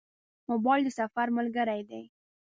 موبایل د سفر ملګری دی.